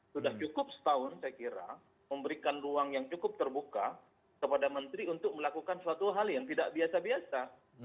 sudah cukup setahun saya kira memberikan ruang yang cukup terbuka kepada menteri untuk melakukan suatu hal yang tidak biasa biasa